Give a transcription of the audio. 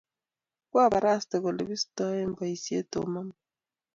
Koubarasta kole bistoi boisiet Tom amut